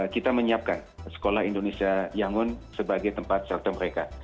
kita menyiapkan sekolah indonesia yangon sebagai tempat shelter mereka